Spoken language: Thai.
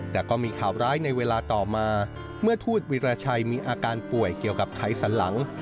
แต่ก็มีข่าวร้ายในเวลาต่อมาเมื่อทูตวิราชัยมีอาการป่วยเกี่ยวกับไขสันหลัง